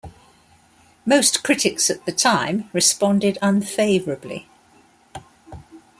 Most critics at the time responded unfavorably.